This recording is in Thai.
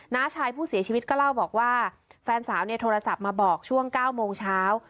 น้าชายผู้เสียชีวิตก็เล่าบอกว่าแฟนสาวเนี่ยโทรศัพท์มาบอกช่วง๙โมงเช้า